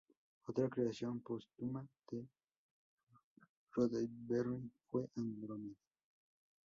Otra creación póstuma de Roddenberry fue "Andrómeda".